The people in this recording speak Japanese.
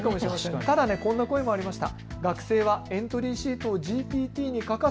ただこんな声もありました。